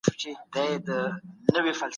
د حج دپاره مي په کڅوڼي کي نوي کتابونه ولیدل.